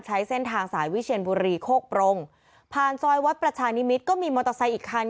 ใช้เส้นทางสายวิเชียนบุรีโคกปรงผ่านซอยวัดประชานิมิตรก็มีมอเตอร์ไซค์อีกคัน